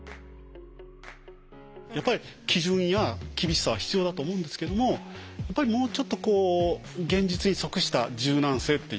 やっぱり基準や厳しさは必要だと思うんですけどもやっぱりもうちょっとこう現実に即した柔軟性っていうのが。